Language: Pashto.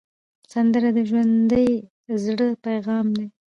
سندره د ژوندي زړه پیغام دی